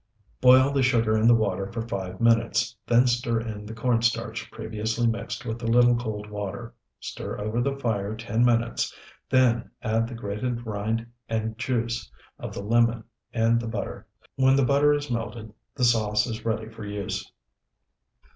Boil the sugar in the water for five minutes, then stir in the corn starch previously mixed with a little cold water. Stir over the fire ten minutes, then add the grated rind and juice of the lemon and the butter. When the butter is melted, the sauce is ready for use.